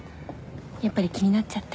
やっぱり気になっちゃって。